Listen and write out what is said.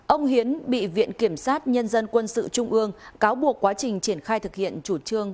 ông hiến bị viện kiểm sát nhân dân quân sự trung ương cáo buộc quá trình triển khai thực hiện chủ trương